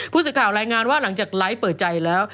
ผู้สื่อข่าวรายงานว่าหลังจากไลฟ์เปิดใจแล้ว